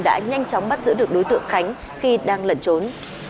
đã nhanh chóng bắt giữ được đối tượng khánh khi đang lẩn trốn